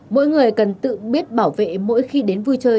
mỗi người cần tự biết bảo vệ mỗi khi đến vui chơi